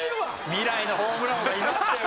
未来のホームラン王がいましたよ